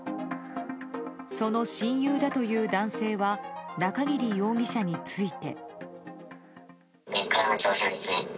その親友だという男性は中桐容疑者について。